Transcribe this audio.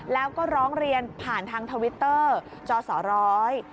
แล้วก็ร้องเรียนผ่านทางทวิตเตอร์จอสอร้อย